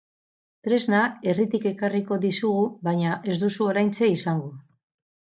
Tresna herritik ekarriko dizugu, baina ez duzu oraintxe izango.